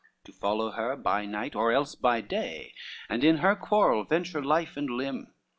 LXXVII To follow her, by night or else by day, And in her quarrel venture life and limb.